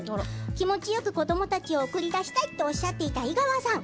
気持ちよく子どもたちを送り出したいとおっしゃっていた井川さん。